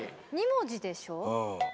２文字でしょう。